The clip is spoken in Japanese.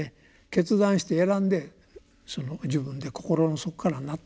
決断して選んでその自分で心の底から納得すると。